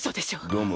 どうも。